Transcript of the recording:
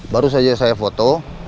baru saja saya foto